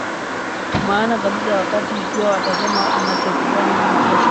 maana kabisa ya wakati Ikiwa watasema watakachofanya kesho